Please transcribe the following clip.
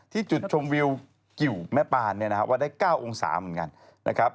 ที่จุดชมวิวกิ๋วแม่ปานวัดได้๙องศาลเหมือนกัน